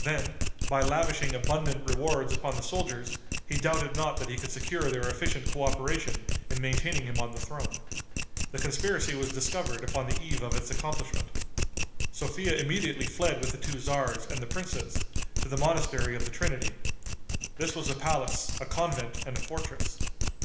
Then, by lavishing abundant rewards upon the soldiers, he doubted not that he could secure their efficient coöperation in maintaining him on the throne. The conspiracy was discovered upon the eve of its accomplishment. Sophia immediately fled with the two tzars and the princes, to the monastery of the Trinity. This was a palace, a convent and a fortress.